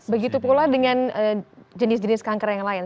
begitu pula dengan jenis jenis kanker yang lain